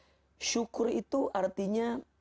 melapangkan hati untuk berterima kasih kepada allah juga